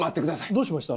どうしました？